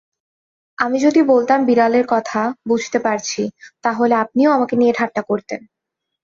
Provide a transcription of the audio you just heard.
আমি যদি বলতাম বিড়ালের কথা বুঝতে পারছি, তাহলে আপনিও আমাকে নিয়ে ঠাট্টা করতেন।